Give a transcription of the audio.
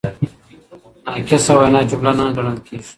ناقصه وینا جمله نه ګڼل کیږي.